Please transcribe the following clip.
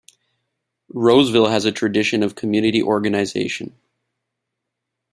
Roseville has a tradition of community organization.